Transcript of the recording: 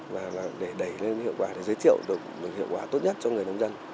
và để đẩy lên hiệu quả để giới thiệu được hiệu quả tốt nhất cho người nông dân